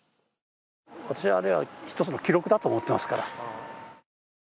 私はあれは一つの記録だと思ってますから。